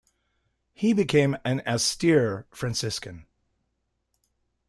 He became an austere Franciscan.